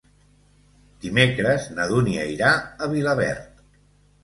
Dimecres na Dúnia irà a Vilaverd.